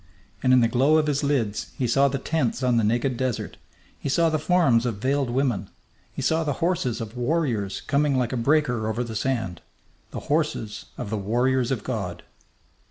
And in the glow of his lids he saw the tents on the naked desert; he saw the forms of veiled women; he saw the horses of warriors coming like a breaker over the sand the horses of the warriors of God!